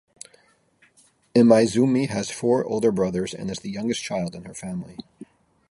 Imaizumi has four older brothers and is the youngest child in her family.